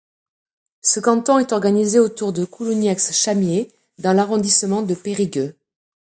Ce canton est organisé autour de Coulounieix-Chamiers dans l'arrondissement de Périgueux.